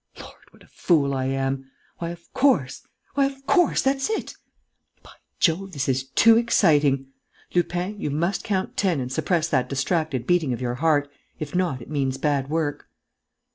Lord, what a fool I am!... Why, of course, why, of course, that's it!... By Jove, this is too exciting!... Lupin, you must count ten and suppress that distracted beating of your heart. If not, it means bad work."